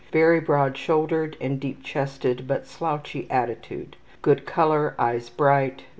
Very broad shouldered and deep chested, but slouchy attitude. Good color. Eyes bright.